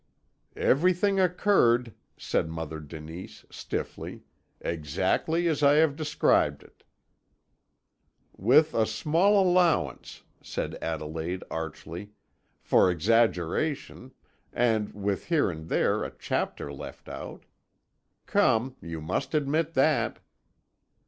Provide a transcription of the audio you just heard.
"Everything occurred," said Mother Denise stiffly, "exactly as I have described it." "With a small allowance," said Adelaide archly, "for exaggeration, and with here and there a chapter left out. Come, you must admit that!"